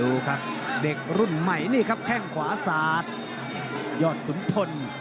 ดูครับเด็กรุ่นใหม่นี่ครับแข้งขวาสาดยอดขุนทน